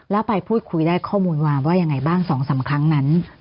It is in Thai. แล้วไปพูดคุยได้ข้อมูลมาว่ายังไงบ้าง๒๓ครั้งนั้น